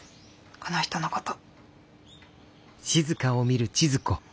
この人のこと。